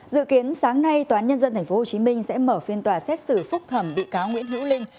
dự kiến sáng nay tnthh sẽ mở phiên tòa xét xử phúc thẩm bị cáo nguyễn hữu linh